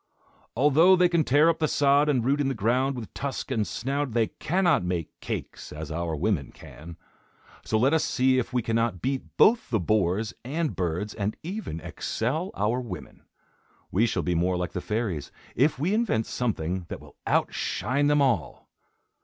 "Although they can tear up the sod and root in the ground with tusk and snout, they cannot make cakes, as our women can. So let us see if we cannot beat both the boars and birds, and even excel our women. We shall be more like the fairies, if we invent something that will outshine them all."